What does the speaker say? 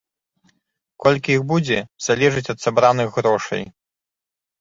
Колькі іх будзе, залежыць ад сабраных грошай.